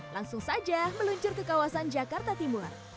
langsung saja meluncur ke kawasan jakarta timur